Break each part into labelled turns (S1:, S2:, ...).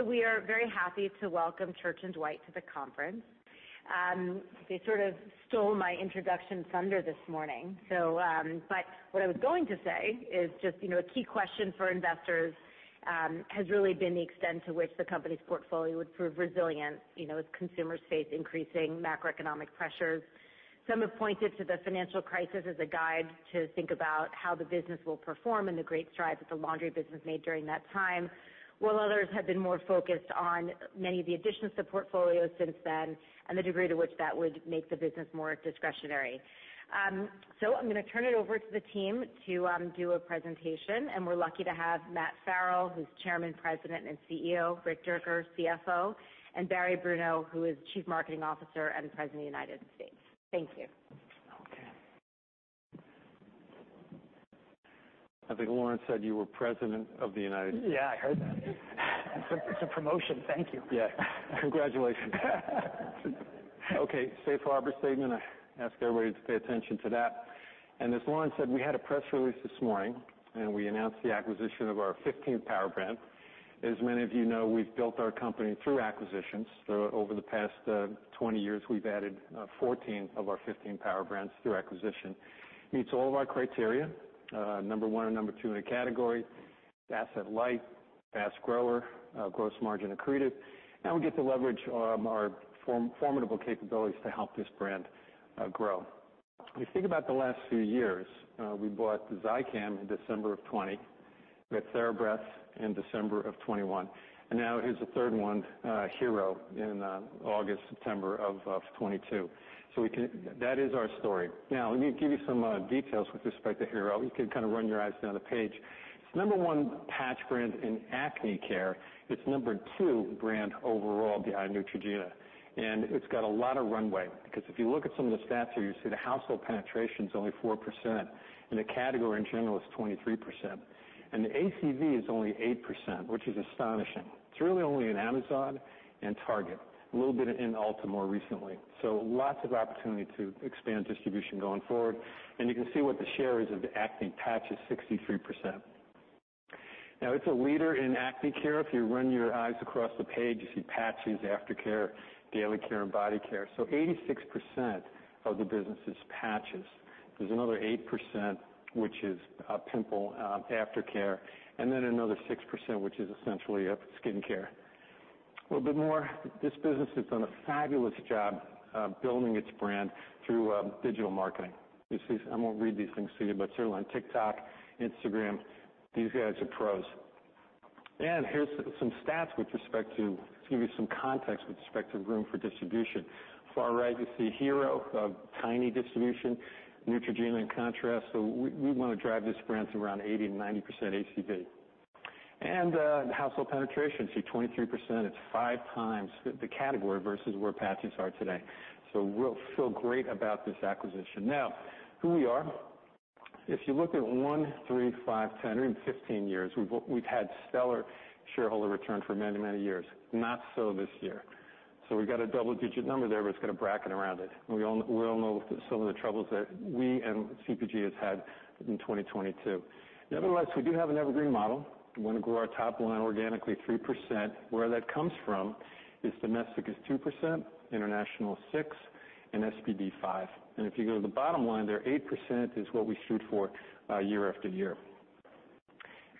S1: We are very happy to welcome Church & Dwight to the conference. They sort of stole my introduction thunder this morning. What I was going to say is just, you know, a key question for investors has really been the extent to which the company's portfolio would prove resilient, you know, as consumers face increasing macroeconomic pressures. Some have pointed to the financial crisis as a guide to think about how the business will perform and the great strides that the laundry business made during that time, while others have been more focused on many of the additions to portfolios since then and the degree to which that would make the business more discretionary. I'm gonna turn it over to the team to do a presentation, and we're lucky to have Matt Farrell, who's Chairman, President, and CEO, Rick Dierker, CFO, and Barry Bruno, who is Chief Marketing Officer and President, U.S. Thank you.
S2: Okay. I think Lauren said you were President of the United States.
S3: Yeah, I heard that. It's a promotion. Thank you.
S2: Yeah. Congratulations. Okay. Safe harbor statement. I ask everybody to pay attention to that. As Lauren said, we had a press release this morning, and we announced the acquisition of our 15th power brand. As many of you know, we've built our company through acquisitions. Over the past 20 years, we've added 14 of our 15 power brands through acquisition. Meets all of our criteria, number one and number two in a category, asset light, fast grower, gross margin accretive, and we get to leverage our formidable capabilities to help this brand grow. If you think about the last few years, we bought Zicam in December of 2020. We got TheraBreath in December of 2021. Now here's the third one, Hero in August, September of 2022. That is our story. Now, let me give you some details with respect to Hero. You can kind of run your eyes down the page. It's number one patch brand in acne care. It's number two brand overall behind Neutrogena, and it's got a lot of runway. Because if you look at some of the stats here, you see the household penetration's only 4%, and the category in general is 23%. The ACV is only 8%, which is astonishing. It's really only on Amazon and Target, a little bit in Ulta more recently. Lots of opportunity to expand distribution going forward. You can see what the share is of the acne patch is 63%. Now it's a leader in acne care. If you run your eyes across the page, you see patches, aftercare, daily care, and body care. 86% of the business is patches. There's another 8%, which is pimple aftercare, and then another 6%, which is essentially skincare. A little bit more, this business has done a fabulous job building its brand through digital marketing. You see. I won't read these things to you, but certainly on TikTok, Instagram, these guys are pros. Here's some stats with respect to give you some context with respect to room for distribution. Far right, you see Hero, a tiny distribution. Neutrogena in contrast. We wanna drive this brand to around 80%-90% ACV. The household penetration, see 23%. It's five times the category versus where patches are today. Feel great about this acquisition. Now, who we are. If you look at one, three five, 10, or even 15 years, we've had stellar shareholder return for many years. Not so this year. We've got a double-digit number there, but it's got a bracket around it. We all know some of the troubles that we and CPG has had in 2022. Nevertheless, we do have an evergreen model. We wanna grow our top line organically 3%. Where that comes from is domestic 2%, international 6%, and SPB 5%. If you go to the bottom line there, 8% is what we shoot for year after year.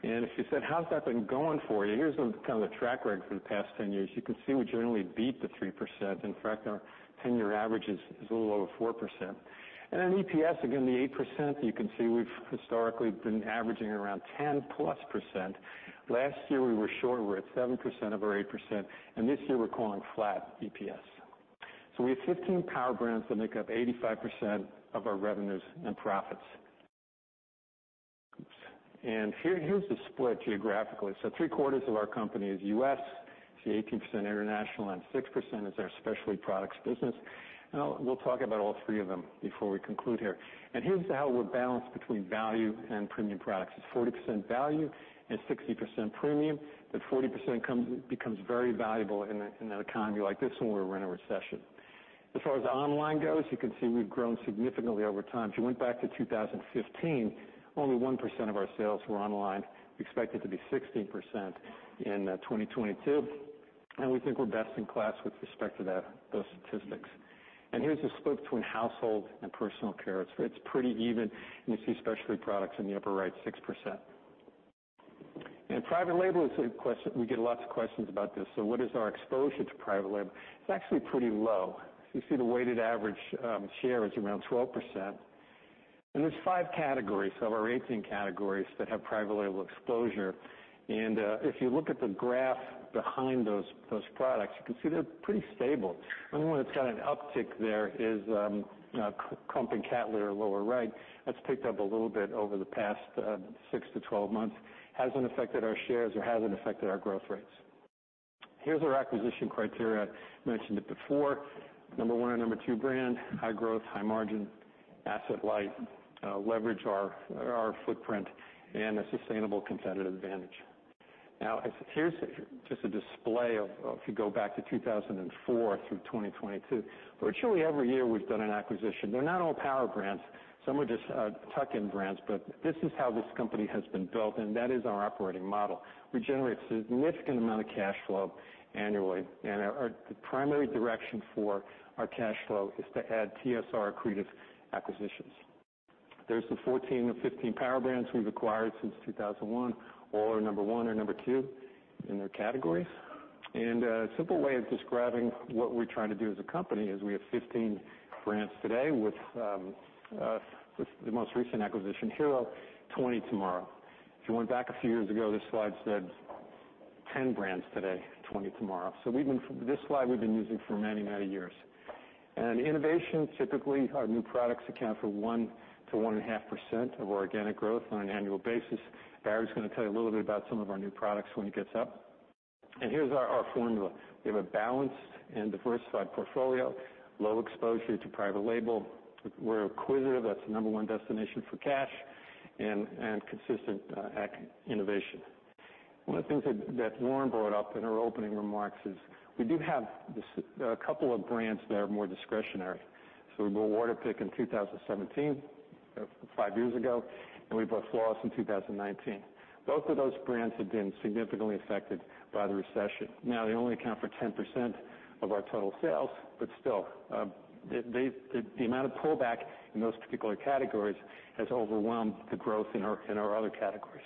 S2: If you said, How's that been going for you? Here's kind of the track record for the past 10 years. You can see we generally beat the 3%. In fact, our 10-year average is a little over 4%. Then EPS, again, the 8%, you can see we've historically been averaging around 10%+. Last year, we were short. We're at 7% of our 8%. This year, we're calling flat EPS. We have 15 power brands that make up 85% of our revenues and profits. Oops. Here, here's the split geographically. Three-quarters of our company is U.S. 18% international, and 6% is our specialty products business. We'll talk about all three of them before we conclude here. Here's how we're balanced between value and premium products. It's 40% value and 60% premium. That 40% becomes very valuable in an economy like this when we're in a recession. As far as online goes, you can see we've grown significantly over time. If you went back to 2015, only 1% of our sales were online. We expect it to be 16% in 2022, and we think we're best in class with respect to those statistics. Here's the split between household and personal care. It's pretty even, and you see specialty products in the upper right, 6%. We get lots of questions about this. What is our exposure to private label? It's actually pretty low. You see the weighted average share is around 12%. There's five categories of our 18 categories that have private label exposure. If you look at the graph behind those products, you can see they're pretty stable. The only one that's got an uptick there is clumping and cat litter, lower right. That's picked up a little bit over the past six to 12 months. Hasn't affected our shares or hasn't affected our growth rates. Here's our acquisition criteria. Mentioned it before. Number one and number two brand, high growth, high margin, asset light, leverage our footprint, and a sustainable competitive advantage. Now here's just a display of, if you go back to 2004 through 2022, virtually every year we've done an acquisition. They're not all power brands. Some are just tuck-in brands, but this is how this company has been built, and that is our operating model. We generate significant amount of cash flow annually, and our the primary direction for our cash flow is to add TSR accretive acquisitions. There are 14 of 15 power brands we've acquired since 2001. All are number one or number two in their categories. A simple way of describing what we're trying to do as a company is we have 15 brands today, with the most recent acquisition, Hero, 20 tomorrow. If you went back a few years ago, this slide said 10 brands today, 20 tomorrow. We've been using this slide for many, many years. Innovation, typically, our new products account for 1-1.5% of organic growth on an annual basis. Barry's gonna tell you a little bit about some of our new products when he gets up. Here's our formula. We have a balanced and diversified portfolio, low exposure to private label. We're acquisitive. That's the number one destination for cash and consistent innovation. One of the things that Lauren brought up in her opening remarks is we do have a couple of brands that are more discretionary. We bought Waterpik in 2017, five years ago, and we bought Flawless in 2019. Both of those brands have been significantly affected by the recession. They only account for 10% of our total sales, but still, the amount of pullback in those particular categories has overwhelmed the growth in our other categories.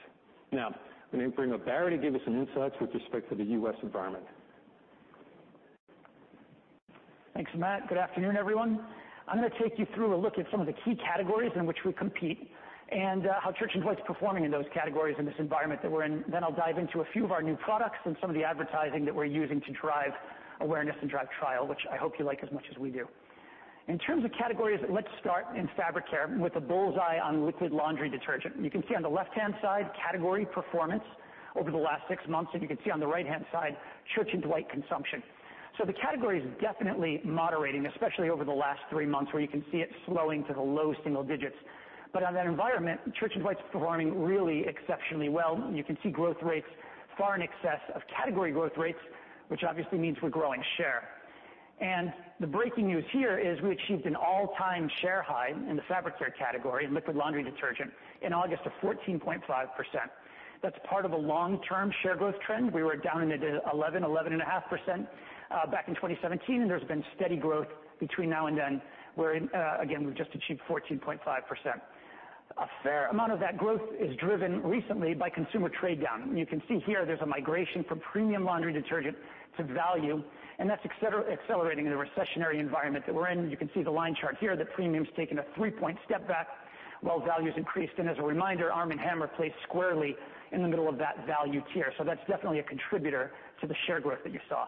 S2: Let me bring up Barry to give us some insights with respect to the U.S. environment.
S3: Thanks, Matt. Good afternoon, everyone. I'm gonna take you through a look at some of the key categories in which we compete and, how Church & Dwight's performing in those categories in this environment that we're in. Then I'll dive into a few of our new products and some of the advertising that we're using to drive awareness and drive trial, which I hope you like as much as we do. In terms of categories, let's start in fabric care with the bull's-eye on liquid laundry detergent. You can see on the left-hand side category performance over the last six months, and you can see on the right-hand side, Church & Dwight consumption. So the category is definitely moderating, especially over the last three months, where you can see it slowing to the low single digits. On that environment, Church & Dwight's performing really exceptionally well. You can see growth rates far in excess of category growth rates, which obviously means we're growing share. The breaking news here is we achieved an all-time share high in the fabric care category in liquid laundry detergent in August of 14.5%. That's part of a long-term share growth trend. We were down in the 11.5%, back in 2017, and there's been steady growth between now and then, wherein again, we've just achieved 14.5%. A fair amount of that growth is driven recently by consumer trade down. You can see here there's a migration from premium laundry detergent to value, and that's accelerating in the recessionary environment that we're in. You can see the line chart here that premium's taken a three-point step back while value's increased. As a reminder, Arm & Hammer plays squarely in the middle of that value tier. That's definitely a contributor to the share growth that you saw.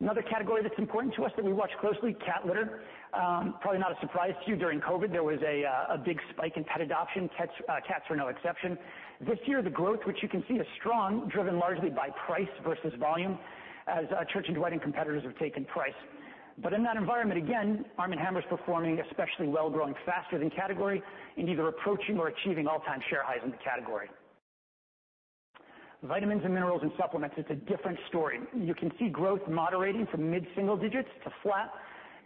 S3: Another category that's important to us that we watch closely, cat litter. Probably not a surprise to you during COVID, there was a big spike in pet adoption. Cats were no exception. This year, the growth, which you can see, is strong, driven largely by price versus volume, as Church & Dwight and competitors have taken price. In that environment, again, Arm & Hammer is performing especially well, growing faster than category in either approaching or achieving all-time share highs in the category. Vitamins and minerals and supplements, it's a different story. You can see growth moderating from mid-single digits to flat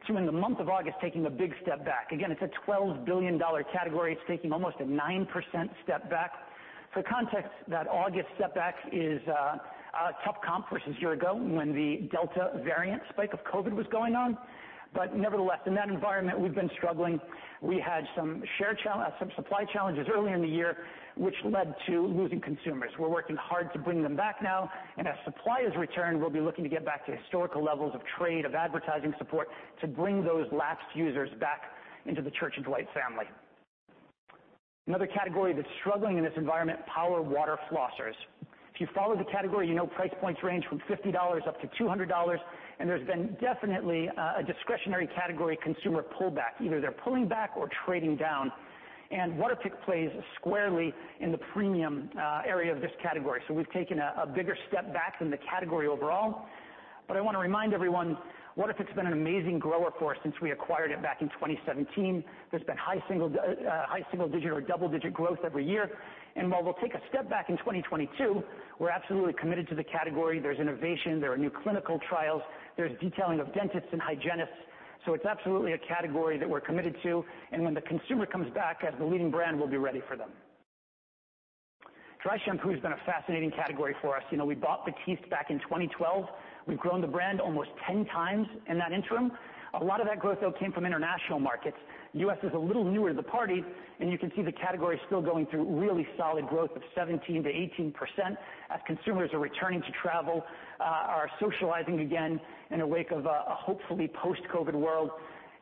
S3: to, in the month of August, taking a big step back. Again, it's a $12 billion category. It's taking almost a 9% step back. For context, that August step back is a tough comp versus a year ago when the Delta variant spike of COVID was going on. Nevertheless, in that environment, we've been struggling. We had some supply challenges earlier in the year, which led to losing consumers. We're working hard to bring them back now, and as supply has returned, we'll be looking to get back to historical levels of trade, of advertising support to bring those lapsed users back into the Church & Dwight family. Another category that's struggling in this environment, power water flossers. If you follow the category, you know price points range from $50 up to $200, and there's been definitely a discretionary category consumer pullback. Either they're pulling back or trading down. Waterpik plays squarely in the premium area of this category. We've taken a bigger step back than the category overall. I wanna remind everyone, Waterpik's been an amazing grower for us since we acquired it back in 2017. There's been high single-digit or double-digit growth every year. While we'll take a step back in 2022, we're absolutely committed to the category. There's innovation, there are new clinical trials, there's detailing of dentists and hygienists, so it's absolutely a category that we're committed to. When the consumer comes back, as the leading brand, we'll be ready for them. Dry shampoo has been a fascinating category for us. You know, we bought Batiste back in 2012. We've grown the brand almost 10 times in that interim. A lot of that growth, though, came from international markets. U.S. is a little newer to the party, and you can see the category is still going through really solid growth of 17%-18% as consumers are returning to travel, are socializing again in the wake of a hopefully post-COVID world.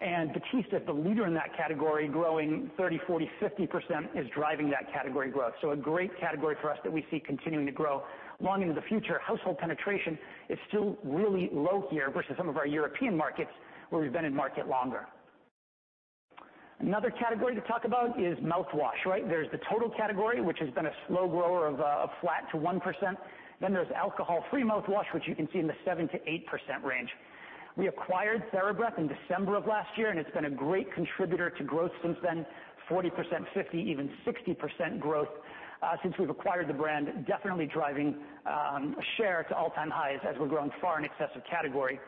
S3: Batiste is the leader in that category, growing 30%, 40%, 50% is driving that category growth. A great category for us that we see continuing to grow long into the future. Household penetration is still really low here versus some of our European markets where we've been in market longer. Another category to talk about is mouthwash, right? There's the total category, which has been a slow grower of a flat to 1%. There's alcohol-free mouthwash, which you can see in the 7%-8% range. We acquired TheraBreath in December of last year, and it's been a great contributor to growth since then. 40%, 50%, even 60% growth since we've acquired the brand. Definitely driving share to all-time highs as we're growing far in excess of category.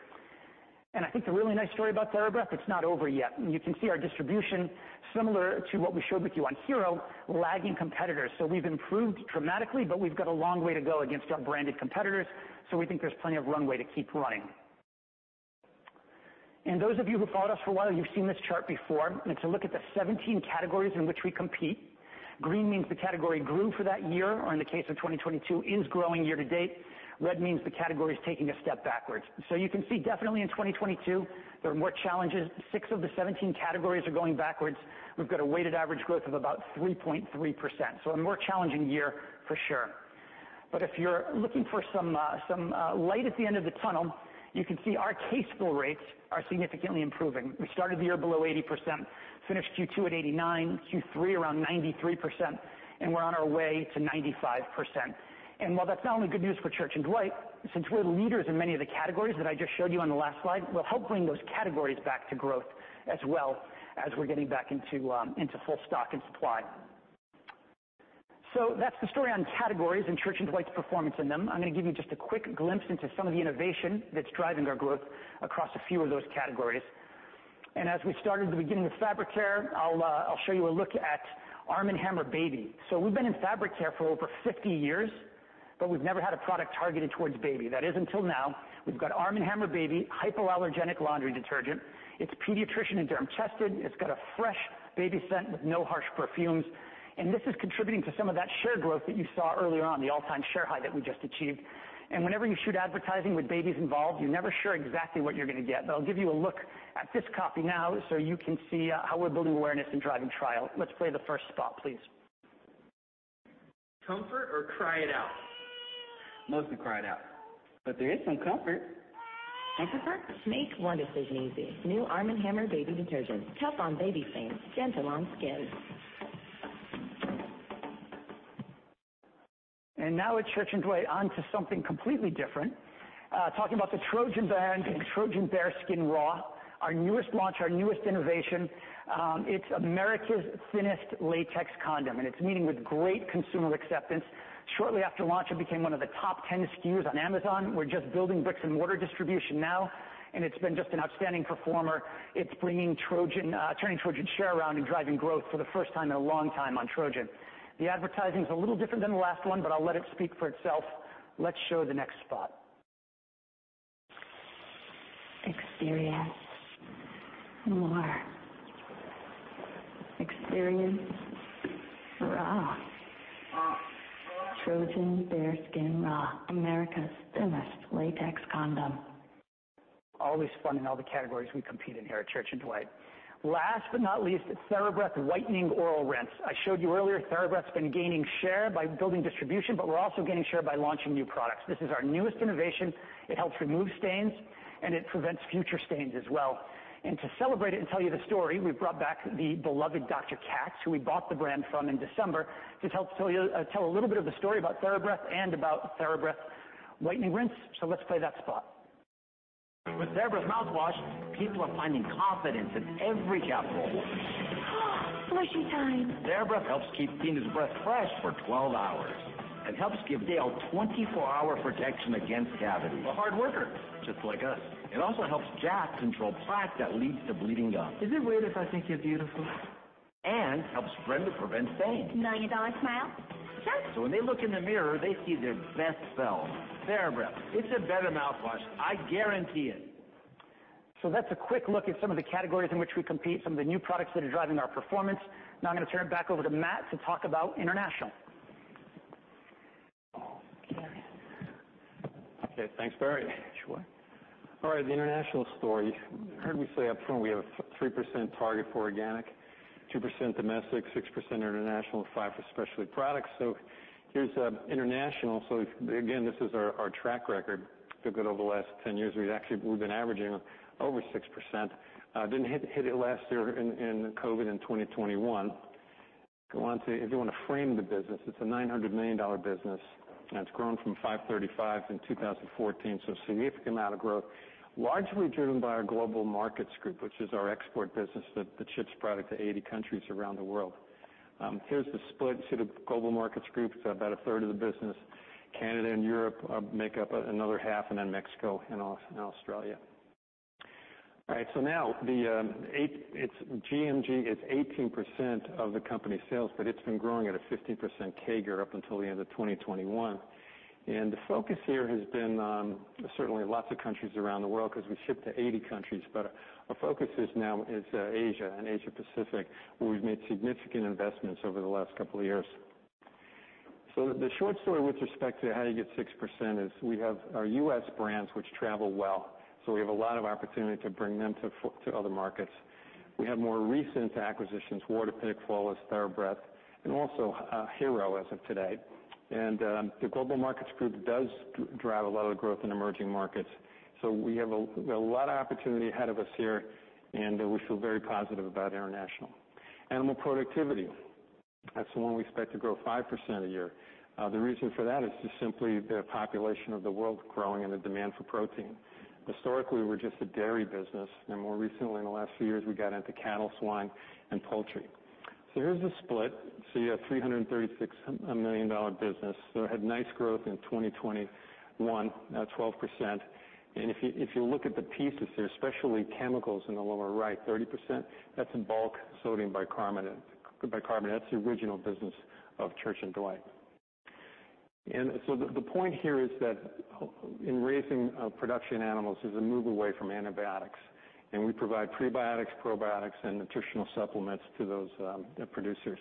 S3: I think the really nice story about TheraBreath, it's not over yet. You can see our distribution similar to what we showed with you on Hero lagging competitors. We've improved dramatically, but we've got a long way to go against our branded competitors, so we think there's plenty of runway to keep running. Those of you who followed us for a while, you've seen this chart before. To look at the 17 categories in which we compete, green means the category grew for that year, or in the case of 2022, is growing year-to-date. Red means the category is taking a step backwards. You can see definitely in 2022 there are more challenges. Six of the 17 categories are going backwards. We've got a weighted average growth of about 3.3%, so a more challenging year for sure. If you're looking for some light at the end of the tunnel, you can see our case fill rates are significantly improving. We started the year below 80%, finished Q2 at 89%, Q3 around 93%, and we're on our way to 95%. While that's not only good news for Church & Dwight, since we're the leaders in many of the categories that I just showed you on the last slide, we'll help bring those categories back to growth as well as we're getting back into into full stock and supply. That's the story on categories and Church & Dwight's performance in them. I'm gonna give you just a quick glimpse into some of the innovation that's driving our growth across a few of those categories. As we started at the beginning with fabric care, I'll show you a look at Arm & Hammer Baby. We've been in fabric care for over 50 years, but we've never had a product targeted towards baby. That is until now. We've got Arm & Hammer Baby Hypoallergenic Laundry Detergent. It's pediatrician and derm tested. It's got a fresh baby scent with no harsh perfumes. This is contributing to some of that share growth that you saw earlier on, the all-time share high that we just achieved. Whenever you shoot advertising with babies involved, you're never sure exactly what you're gonna get. I'll give you a look at this copy now so you can see how we're building awareness and driving trial. Let's play the first spot, please.
S4: Comfort or cry it out? Mostly cry it out, but there is some comfort.
S5: I concur. Make one decision easy. New Arm & Hammer Baby Detergent. Tough on baby stains, gentle on skin.
S3: Now at Church & Dwight onto something completely different. Talking about the Trojan brand and Trojan BareSkin Raw, our newest launch, our newest innovation. It's America's thinnest latex condom, and it's meeting with great consumer acceptance. Shortly after launch, it became one of the top 10 SKUs on Amazon. We're just building bricks-and-mortar distribution now, and it's been just an outstanding performer. It's turning Trojan share around and driving growth for the first time in a long time on Trojan. The advertising's a little different than the last one, but I'll let it speak for itself. Let's show the next spot.
S6: Experience more. Experience raw. Trojan BareSkin Raw, America's thinnest latex condom.
S3: Always fun in all the categories we compete in here at Church & Dwight. Last but not least, TheraBreath Whitening Oral Rinse. I showed you earlier, TheraBreath's been gaining share by building distribution, but we're also gaining share by launching new products. This is our newest innovation. It helps remove stains, and it prevents future stains as well. To celebrate it and tell you the story, we've brought back the beloved Dr. Katz, who we bought the brand from in December, to help tell you a little bit of the story about TheraBreath and about TheraBreath Whitening Oral Rinse. Let's play that spot.
S7: With TheraBreath Mouthwash, people are finding confidence in every gargle.
S8: Oh, flushy time.
S7: TheraBreath helps keep Tina's breath fresh for 12 hours and helps give Dale 24-hour protection against cavities. A hard worker, just like us. It also helps Jack control plaque that leads to bleeding gums. Is it weird if I think you're beautiful? Helps Brenda prevent stains.
S9: Million-dollar smile? Yes.
S7: When they look in the mirror, they see their best selves. TheraBreath, it's a better mouthwash. I guarantee it.
S3: That's a quick look at some of the categories in which we compete, some of the new products that are driving our performance. Now I'm gonna turn it back over to Matt to talk about international.
S2: Okay.Okay. Thanks, Barry.
S3: Sure.
S2: All right. The international story. Heard me say up front we have 3% target for organic, 2% domestic, 6% international, and 5% for specialty products. Here's international. Again, this is our track record. Took it over the last 10 years. We've actually been averaging over 6%. Didn't hit it last year in COVID in 2021. If you wanna frame the business, it's a $900 million business, and it's grown from $535 million in 2014. Significant amount of growth, largely driven by our Global Markets Group, which is our export business that ships product to 80 countries around the world. Here's the split. See the Global Markets Group. It's about a third of the business. Canada and Europe make up another half, and then Mexico and Australia. All right. Now the 80%, its GMG is 18% of the company's sales, but it's been growing at a 15% CAGR up until the end of 2021. The focus here has been certainly lots of countries around the world 'cause we ship to 80 countries. Our focus now is Asia and Asia Pacific, where we've made significant investments over the last couple of years. The short story with respect to how you get 6% is we have our U.S. brands which travel well. We have a lot of opportunity to bring them to other markets. We have more recent acquisitions, Waterpik, Flawless, TheraBreath, and also Hero as of today. The Global Markets Group does drive a lot of the growth in emerging markets. We have a lot of opportunity ahead of us here, and we feel very positive about international. Animal productivity. That's the one we expect to grow 5% a year. The reason for that is just simply the population of the world is growing and the demand for protein. Historically, we're just a dairy business, and more recently, in the last few years, we got into cattle, swine, and poultry. Here's the split. You have a $336 million business. It had nice growth in 2021, 12%. If you look at the pieces there, especially chemicals in the lower right, 30%, that's in bulk sodium bicarbonate. That's the original business of Church & Dwight. The point here is that in raising production animals is a move away from antibiotics, and we provide prebiotics, probiotics, and nutritional supplements to those producers.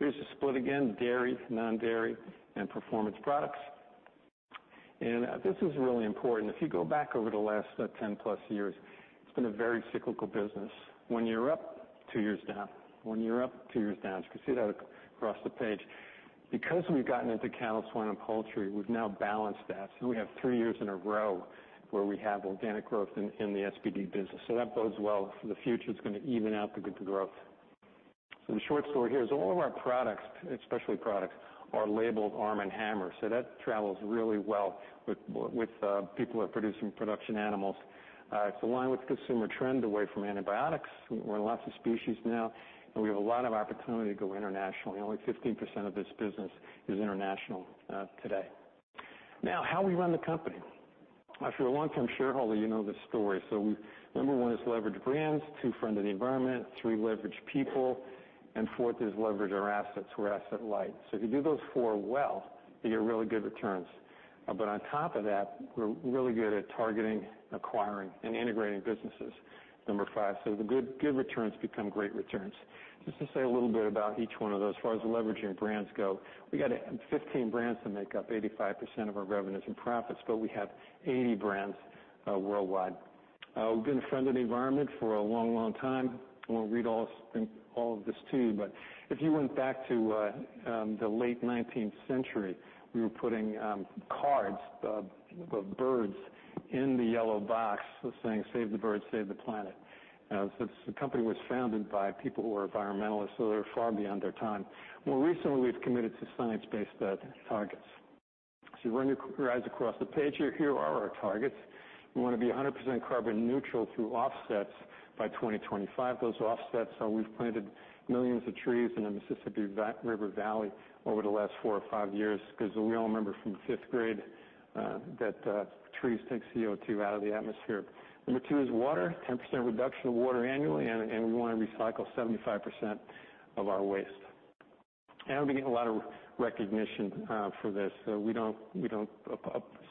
S2: Here's the split again, dairy, non-dairy, and performance products. This is really important. If you go back over the last 10-plus years, it's been a very cyclical business. One year up, two years down. One year up, two years down. You can see that across the page. Because we've gotten into cattle, swine, and poultry, we've now balanced that. We have three years in a row where we have organic growth in the SPD business. That bodes well for the future. It's gonna even out the growth. The short story here is all of our products, especially products, are labeled Arm & Hammer. That travels really well with people that produce some production animals. It's aligned with consumer trend away from antibiotics. We're in lots of species now, and we have a lot of opportunity to go internationally. Only 15% of this business is international today. Now, how we run the company. If you're a long-term shareholder, you know this story. We number one is leverage brands, two, friend of the environment, three, leverage people, and fourth is leverage our assets. We're asset-light. If you do those four well, you get really good returns. But on top of that, we're really good at targeting, acquiring, and integrating businesses, number five. The good returns become great returns. Just to say a little bit about each one of those. As far as the leveraging brands go, we got a 15 brands that make up 85% of our revenues and profits, but we have 80 brands worldwide. We've been a friend of the environment for a long, long time. I won't read all of this to you, but if you went back to the late 19th century, we were putting cards of birds in the yellow box saying, Save the birds, save the planet. The company was founded by people who were environmentalists, so they were far beyond their time. More recently, we've committed to science-based targets. Run your eyes across the page here. Here are our targets. We wanna be 100% carbon neutral through offsets by 2025. Those offsets are we've planted millions of trees in the Mississippi River Valley over the last four or five years 'cause we all remember from fifth grade that trees take CO2 out of the atmosphere. Number two is water, 10% reduction of water annually, and we wanna recycle 75% of our waste. We've been getting a lot of recognition for this. We don't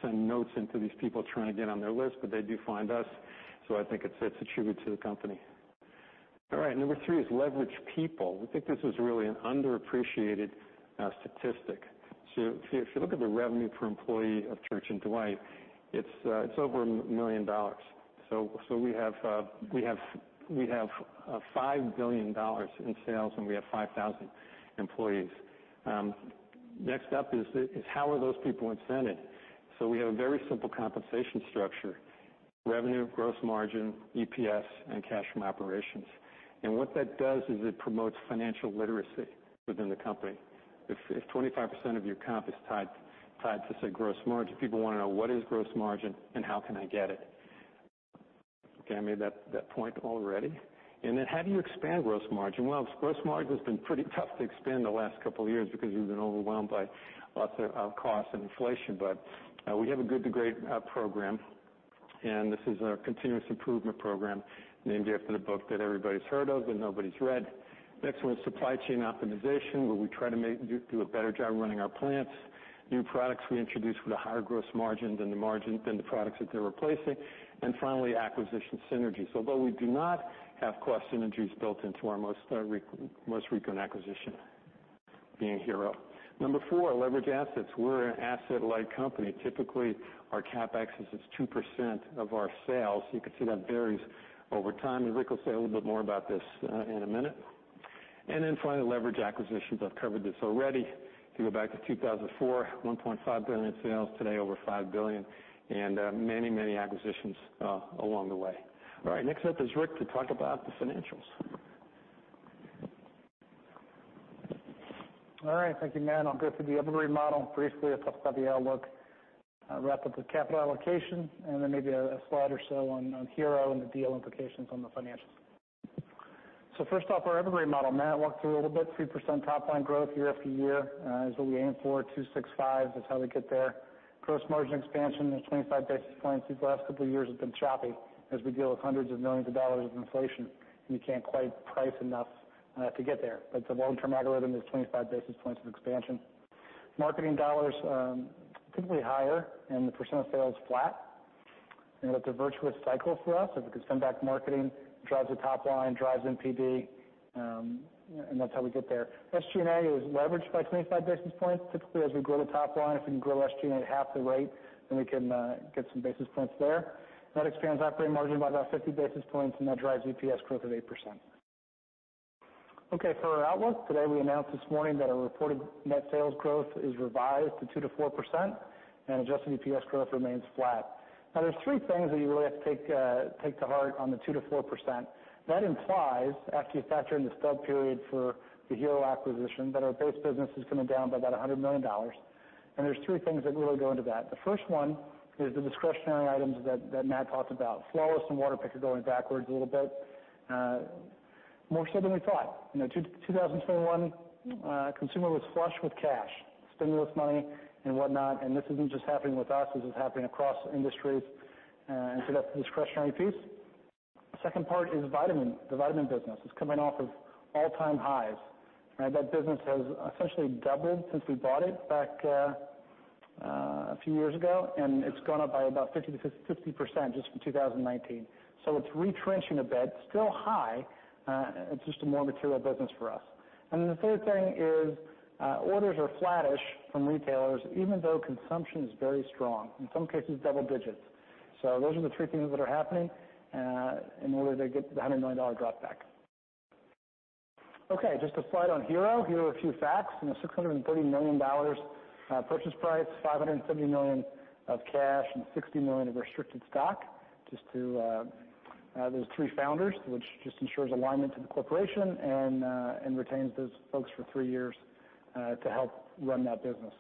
S2: send notes to these people trying to get on their list, but they do find us, so I think it's attributed to the company. All right, number three is leverage people. We think this is really an underappreciated statistic. If you look at the revenue per employee of Church & Dwight, it's over $1 million. We have $5 billion in sales, and we have 5,000 employees. Next up is how are those people incented? We have a very simple compensation structure, revenue, gross margin, EPS, and cash from operations. What that does is it promotes financial literacy within the company. If 25% of your comp is tied to, say, gross margin, people wanna know, What is gross margin, and how can I get it? Okay, I made that point already. Then how do you expand gross margin? Well, gross margin has been pretty tough to expand the last couple of years because we've been overwhelmed by lots of costs and inflation. We have a Good to Great program, and this is our continuous improvement program, named after the book that everybody's heard of, but nobody's read. Next one is supply chain optimization, where we try to do a better job running our plants. New products we introduce with a higher gross margin than the products that they're replacing. Finally, acquisition synergies. Although we do not have cost synergies built into our most recent acquisition being Hero. Number four, leverage assets. We're an asset-light company. Typically, our CapEx is just 2% of our sales. You can see that varies over time, and Rick will say a little bit more about this in a minute. Finally, leverage acquisitions. I've covered this already. If you go back to 2004, $1.5 billion in sales. Today, over $5 billion and many acquisitions along the way. All right, next up is Rick to talk about the financials.
S10: All right. Thank you, Matt. I'll go through the Evergreen model briefly, and talk about the outlook, wrap up with capital allocation, and then maybe a slide or so on Hero and the deal implications on the financials. First off, our Evergreen model. Matt walked through a little bit, 3% top line growth year after year is what we aim for. 2-6-5 is how we get there. Gross margin expansion is 25 basis points. These last couple years have been choppy as we deal with $ hundreds of millions of inflation, and you can't quite price enough to get there. The long-term algorithm is 25 basis points of expansion. Marketing dollars typically higher, and the percent of sale is flat. It's a virtuous cycle for us, because spend back marketing drives the top line, drives NPV, and that's how we get there. SG&A is leveraged by 25 basis points. Typically, as we grow the top line, if we can grow SG&A at half the rate, then we can get some basis points there. That expands operating margin by about 50 basis points, and that drives EPS growth of 8%. Okay, for our outlook, today we announced this morning that our reported net sales growth is revised to 2%-4%, and adjusted EPS growth remains flat. Now, there's three things that you really have to take to heart on the 2%-4%. That implies, after you factor in the stub period for the Hero acquisition, that our base business is coming down by about $100 million. There's three things that really go into that. The first one is the discretionary items that Matt talked about. Flawless and Waterpik are going backwards a little bit, more so than we thought. You know, 2021, consumer was flush with cash, stimulus money and whatnot, and this isn't just happening with us, this is happening across industries. So that's the discretionary piece. The second part is vitamin. The vitamin business is coming off of all-time highs, right? That business has essentially doubled since we bought it back, a few years ago, and it's gone up by about 50% to 50% just from 2019. So it's retrenching a bit, still high, it's just a more material business for us. Then the third thing is, orders are flattish from retailers, even though consumption is very strong, in some cases double digits. Those are the three things that are happening, in order to get to the $100 million drop back. Okay, just a slide on Hero. Hero, a few facts. You know, $630 million purchase price, $570 million of cash, and $60 million of restricted stock just to those three founders, which just ensures alignment to the corporation and retains those folks for three years to help run that business.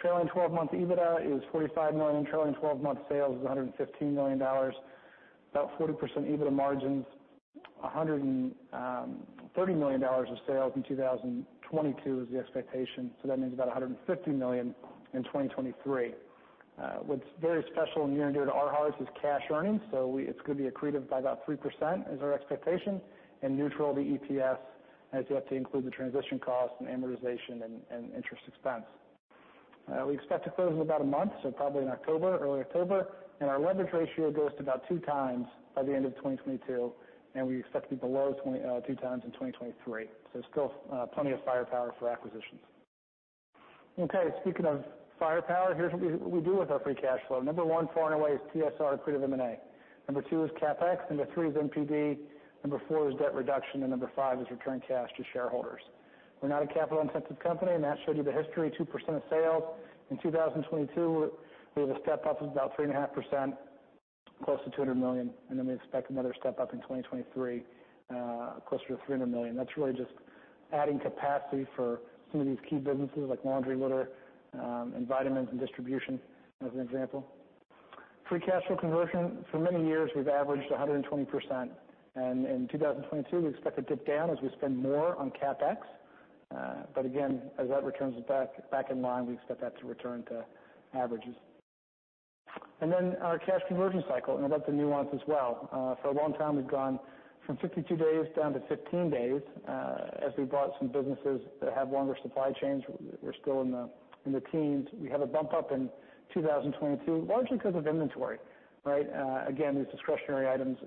S10: Trailing 12-month EBITDA is $45 million. Trailing 12-month sales is $115 million. About 40% EBITDA margins, $130 million of sales in 2022 is the expectation, so that means about $150 million in 2023. What's very special and near and dear to our hearts is cash earnings. It's gonna be accretive by about 3% is our expectation, and neutral to EPS as you have to include the transition costs and amortization and interest expense. We expect to close in about a month, so probably in October, early October, and our leverage ratio goes to about two times by the end of 2022, and we expect to be below 20, two times in 2023. Still, plenty of firepower for acquisitions. Okay, speaking of firepower, here's what we do with our free cash flow. Number one, far and away, is TSR accretive M&A. Number two is CapEx, number three is NPD, number four is debt reduction, and number five is return cash to shareholders. We're not a capital-intensive company, and Matt showed you the history, 2% of sales. In 2022, we have a step up of about 3.5%, close to $200 million, and then we expect another step up in 2023, closer to $300 million. That's really just adding capacity for some of these key businesses like laundry, litter, and vitamins and distribution, as an example. Free cash flow conversion, for many years, we've averaged 120%, and in 2022, we expect to dip down as we spend more on CapEx. But again, as that returns back in line, we expect that to return to averages. Then our cash conversion cycle, and I'd like to nuance as well. For a long time we've gone from 52 days down to 15 days. As we bought some businesses that have longer supply chains, we're still in the teens. We have a bump up in 2022, largely because of inventory, right? Again, these discretionary items,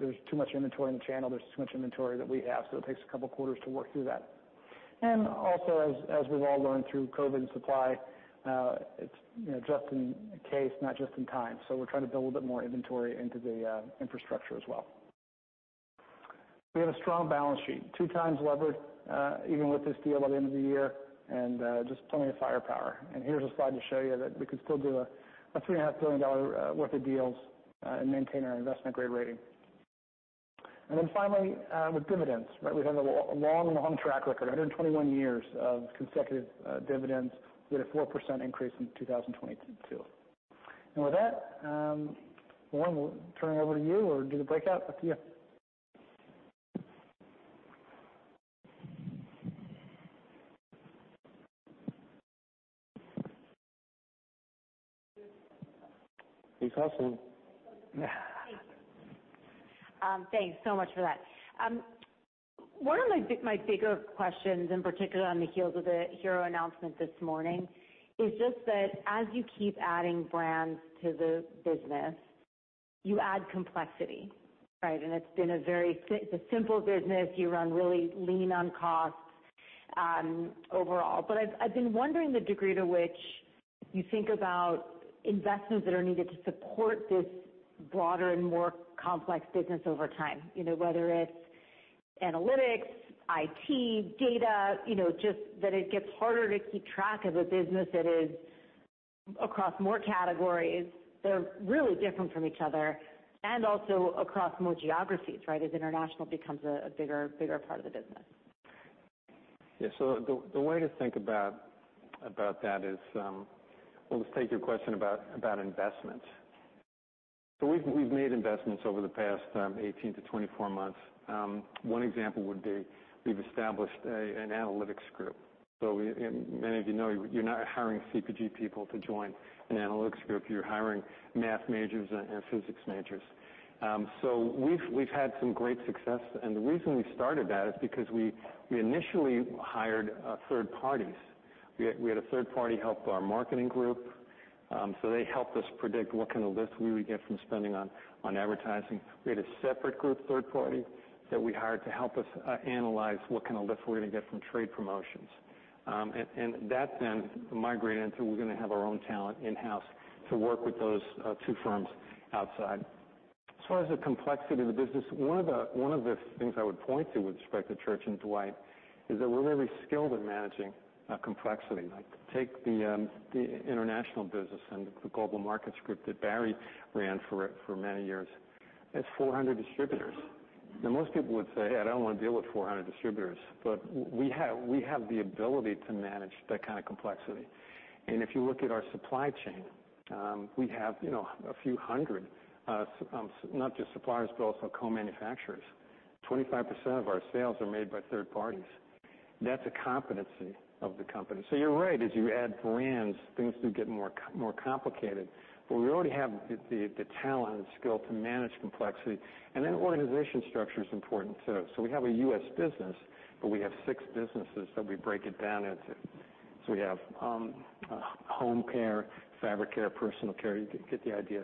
S10: there's too much inventory in the channel, there's too much inventory that we have, so it takes a couple quarters to work through that. Also, as we've all learned through COVID and supply, it's, you know, just in case, not just in time. We're trying to build a bit more inventory into the infrastructure as well. We have a strong balance sheet, two times levered, even with this deal by the end of the year, and just plenty of firepower. Here's a slide to show you that we could still do a $3.5 billion worth of deals and maintain our investment-grade rating. Then finally, with dividends, right? We have a long track record, 121 years of consecutive dividends with a 4% increase in 2022. With that, Lauren, we'll turn it over to you. We'll do the breakout. Up to you.
S2: Ms. Lieberman.
S1: Thank you. Thanks so much for that. One of my bigger questions, in particular on the heels of the Hero announcement this morning, is just that as you keep adding brands to the business, you add complexity, right? It's a simple business. You run really lean on costs, overall. I've been wondering the degree to which you think about investments that are needed to support this broader and more complex business over time. You know, whether it's analytics, IT, data, you know, just that it gets harder to keep track of a business that is across more categories. They're really different from each other, and also across more geographies, right, as international becomes a bigger part of the business.
S2: Yeah. The way to think about that is, well, let's take your question about investments. We've made investments over the past 18-24 months. One example would be we've established an analytics group. Many of you know, you're not hiring CPG people to join an analytics group. You're hiring math majors and physics majors. We've had some great success. The reason we started that is because we initially hired third parties. We had a third party help our marketing group, so they helped us predict what kind of lift we would get from spending on advertising. We had a separate group, third party, that we hired to help us analyze what kind of lift we're gonna get from trade promotions. That then migrated into we're gonna have our own talent in-house to work with those two firms outside. As far as the complexity of the business, one of the things I would point to with respect to Church & Dwight is that we're really skilled at managing complexity. Take the international business and the Global Markets Group that Barry ran for many years. It's 400 distributors. Now most people would say, "I don't wanna deal with 400 distributors." We have the ability to manage that kind of complexity. If you look at our supply chain, we have, you know, a few hundred not just suppliers, but also co-manufacturers. 25% of our sales are made by third parties. That's a competency of the company. You're right, as you add brands, things do get more complicated. We already have the talent and skill to manage complexity. Organization structure is important too. We have a U.S. business, but we have six businesses that we break it down into. We have home care, fabric care, personal care. You get the idea.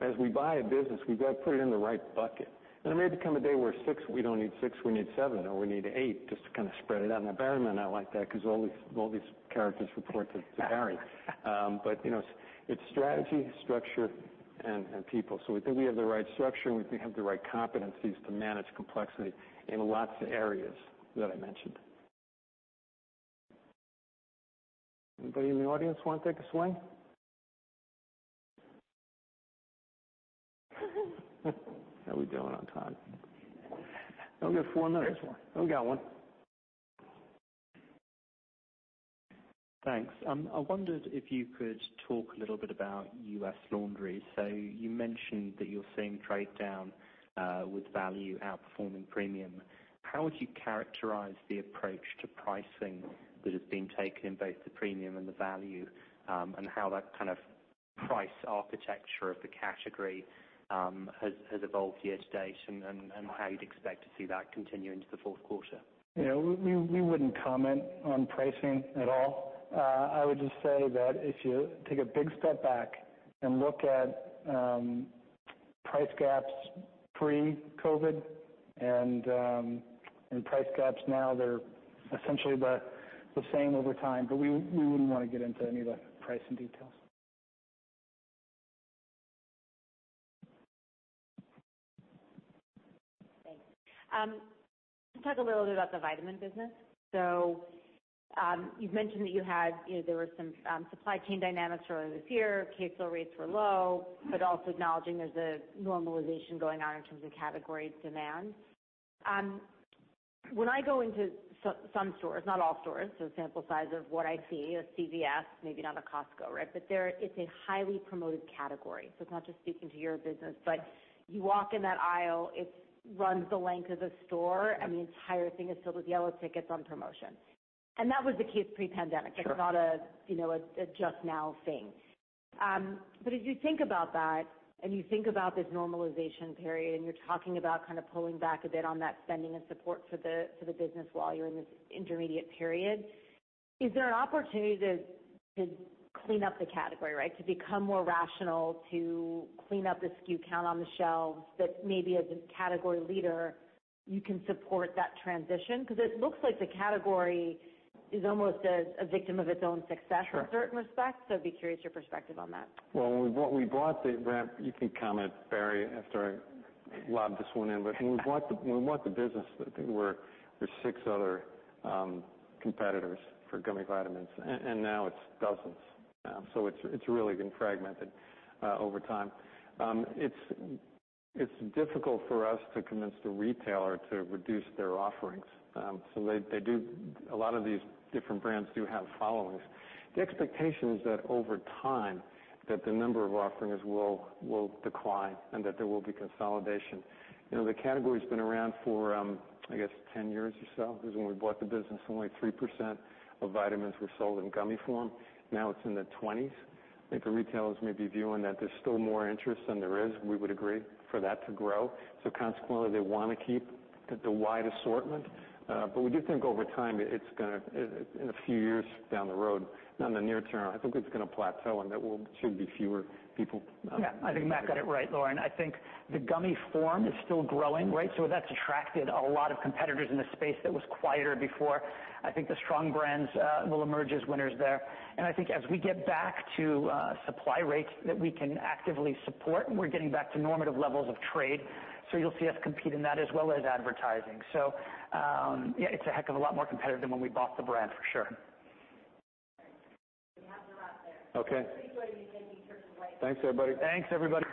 S2: As we buy a business, we've gotta put it in the right bucket. There may come a day where we don't need six, we need seven, or we need eight just to kinda spread it out. Now Barry might not like that 'cause all these characters report to Barry. You know, it's strategy, structure, and people. We think we have the right structure, and we think we have the right competencies to manage complexity in lots of areas that I mentioned. Anybody in the audience wanna take a swing? How we doing on time? Oh, we got four minutes.
S1: There's one.
S2: We got one.
S11: Thanks. I wondered if you could talk a little bit about U.S. laundry. You mentioned that you're seeing trade-down, with value outperforming premium. How would you characterize the approach to pricing that has been taken in both the premium and the value, and how that kind of price architecture of the category has evolved year-to-date and how you'd expect to see that continue into the Q4?
S2: You know, we wouldn't comment on pricing at all. I would just say that if you take a big step back and look at price gaps pre-COVID and price gaps now, they're essentially about the same over time. We wouldn't wanna get into any of the pricing details.
S1: Thanks. Talk a little bit about the vitamin business. You've mentioned that you had, you know, there were some supply chain dynamics earlier this year. Case fill rates were low, but also acknowledging there's a normalization going on in terms of category demand. When I go into some stores, not all stores, so sample size of what I see at CVS, maybe not a Costco, right? There it's a highly promoted category, so it's not just speaking to your business. You walk in that aisle, it runs the length of the store.
S2: Yeah.
S1: The entire thing is filled with yellow tickets on promotion. That was the case pre-pandemic.
S2: Sure.
S1: It's not, you know, a just now thing. As you think about that and you think about this normalization period, and you're talking about kind of pulling back a bit on that spending and support for the business while you're in this intermediate period, is there an opportunity to clean up the category, right? To become more rational, to clean up the SKU count on the shelves that maybe as a category leader you can support that transition? 'Cause it looks like the category is almost a victim of its own success.
S2: Sure.
S1: In certain respects, so I'd be curious your perspective on that.
S2: Well, when we bought the brand, you can comment, Barry, after I lob this one in. When we bought the business, I think there were six other competitors for gummy vitamins, and now it's dozens. It's really been fragmented over time. It's difficult for us to convince the retailer to reduce their offerings. They do. A lot of these different brands do have followings. The expectation is that over time, the number of offerings will decline and that there will be consolidation. You know, the category's been around for, I guess 10 years or so. 'Cause when we bought the business, only 3% of vitamins were sold in gummy form. Now it's in the 20s. I think the retailers may be viewing that there's still more interest than there is, we would agree, for that to grow. Consequently, they wanna keep the wide assortment. We do think over time it's gonna in a few years down the road, not in the near term, I think it's gonna plateau and there should be fewer people.
S1: Yeah.
S3: I think Matt got it right, Lauren. I think the gummy form is still growing, right? That's attracted a lot of competitors in the space that was quieter before. I think the strong brands will emerge as winners there. I think as we get back to supply rates that we can actively support, we're getting back to normative levels of trade. You'll see us compete in that as well as advertising. Yeah, it's a heck of a lot more competitive than when we bought the brand, for sure.
S1: We have to wrap there.
S2: Okay. Thanks, everybody.
S3: Thanks, everybody.